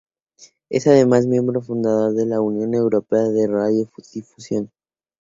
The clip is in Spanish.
Es además miembro fundador de la Unión Europea de Radiodifusión.